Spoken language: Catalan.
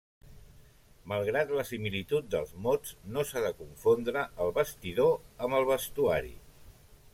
Malgrat la similitud dels mots, no s'ha de confondre el vestidor amb el vestuari.